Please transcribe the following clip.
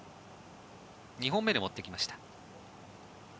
２本目で持ってきました。